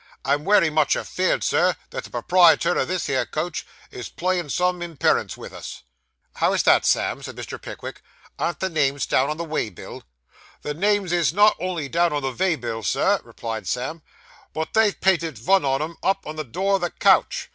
'I'm wery much afeerd, sir, that the properiator o' this here coach is a playin' some imperence vith us.' 'How is that, Sam?' said Mr. Pickwick; 'aren't the names down on the way bill?' 'The names is not only down on the vay bill, Sir,' replied Sam, 'but they've painted vun on 'em up, on the door o' the coach.